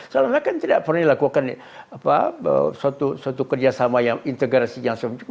sebenarnya kan tidak pernah dilakukan suatu kerjasama yang integrasi yang sempurna